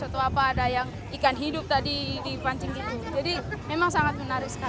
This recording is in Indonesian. atau apa ada yang ikan hidup tadi dipancing gitu jadi memang sangat menarik sekali